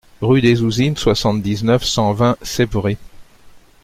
Rue des Ouzines, soixante-dix-neuf, cent vingt Sepvret